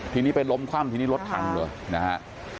ทีนี้เป็นลมคว่ำทีนี้รถถังด้วยนะฮะ